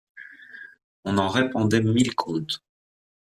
On en répandait mille contes.